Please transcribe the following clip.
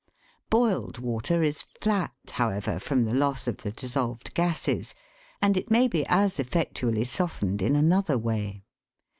Boiled water is "flat," however, from the loss of the dissolved gases, and it may be as effectually softened in another way.